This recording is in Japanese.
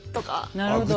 なるほど。